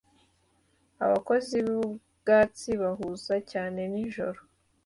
Abakozi b'ubwubatsi bahuze cyane nijoro